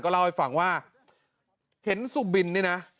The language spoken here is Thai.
เล่าให้ฟังว่าเห็นสุบินเนี่ยนะ